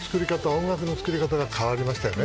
音楽の作り方が変わりましたよね。